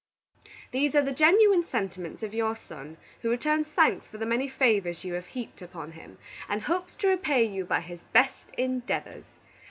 "These are the genuine Sentiments of your son, who returns thanks for the many favors you have heaped upon him, and hopes to repay you by his best Endeavors.